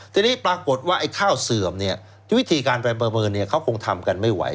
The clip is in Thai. ทีนี้ปรากฏว่าไอ้ข้าวเสื่อมเนี่ยวิธีการไปประเมินเขาคงทำกันไม่ไหว